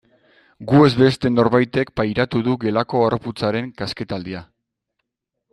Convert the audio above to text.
Gu ez beste norbaitek pairatu du gelako harroputzaren kasketaldia.